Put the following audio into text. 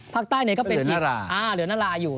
ภาคใต้ก็เป็นอ่าเหลือนาราอยู่